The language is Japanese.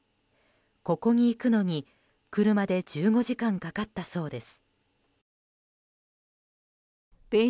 ここに行くのに、車で１５時間かかったそうです。